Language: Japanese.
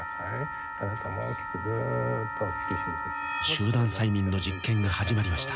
「集団催眠の実験が始まりました」